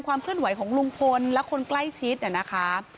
ความเคลื่อนไหวของลุงพลและคนใกล้ชิดเนี่ยนะคะ